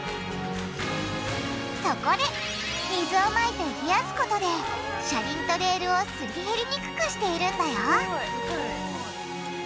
そこで水をまいて冷やすことで車輪とレールをすり減りにくくしているんだよ